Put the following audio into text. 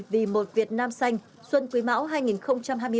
vì một việt nam xanh xuân quý mão hai nghìn hai mươi ba